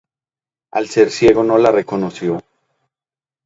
Al ser ciego no la reconoció.